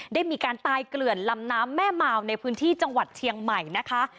ได้มีการตายเกลื่อนลำน้ำแม่มาวในพื้นที่จังหวัดเชียงใหม่นะคะ